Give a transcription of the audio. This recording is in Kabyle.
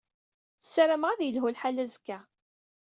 Ssarameɣ ad yelhu lḥal azekka.